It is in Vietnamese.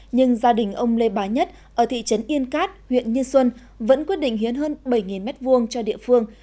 nhưng gia đình ông lê bá nhất ở thị trấn yên cát huyện như xuân vẫn quyết định hiến hơn bảy m hai cho địa phương